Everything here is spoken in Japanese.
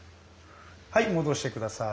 はい戻して下さい。